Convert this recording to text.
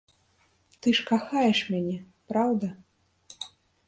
Ты ж кахаеш мяне, праўда?